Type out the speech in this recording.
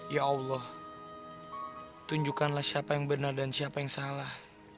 ya allah tunjukkanlah siapa yang benar dan siapa yang salah